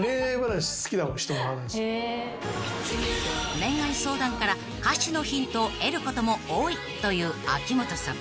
［恋愛相談から歌詞のヒントを得ることも多いという秋元さん］